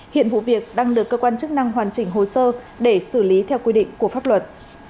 hiện vụ việc đang được cơ quan chức năng hoàn chỉnh hồ sơ để xử lý theo quy định của pháp luật